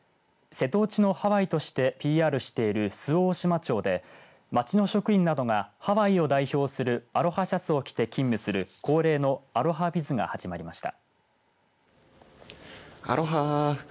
瀬戸内のハワイとしてＰＲしている、周防大島町で町の職員などがハワイを代表するアロハシャツを着て勤務する恒例のアロハビズが始まりました。